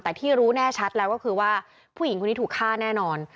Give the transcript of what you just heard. แต่ที่รู้แน่ชัดแล้วก็คือว่าผู้หญิงคนนี้ถูกฆ่าแน่นอน